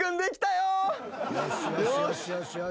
よし！